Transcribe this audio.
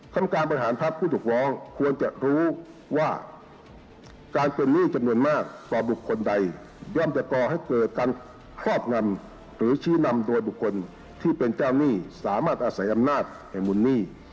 กรรมการบริหารพักผู้ถูกร้องควรจะรู้ว่าการเป็นหนี้จำนวนมากต่อบุคคลใดย่อมจะก่อให้เกิดการครอบงำหรือชี้นำโดยบุคคลที่เป็นเจ้าหนี้สามารถอาศัยอำนาจแห่งมูลหนี้